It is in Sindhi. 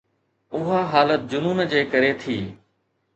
اها حالت جنون جي ڪري ٿي.